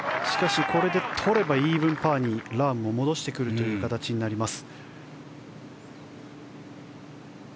しかし、これでとればイーブンパーにラームも戻してくるという形になります。